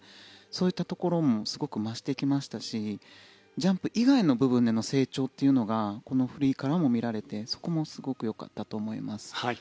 そういったところもすごく増してきましたしジャンプ以外の部分での成長というのがこのフリーからも見られてそこもすごくよかったと思います。